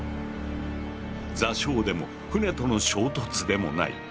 座礁でも船との衝突でもない